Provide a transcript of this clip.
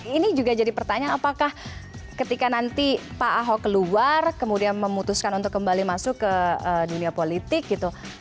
ini juga jadi pertanyaan apakah ketika nanti pak ahok keluar kemudian memutuskan untuk kembali masuk ke dunia politik gitu